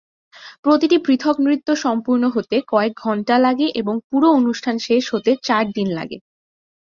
প্রতিটি পৃথক নৃত্য সম্পূর্ণ হতে কয়েক ঘণ্টা লাগে এবং পুরো অনুষ্ঠান শেষ হতে চার দিন লাগে।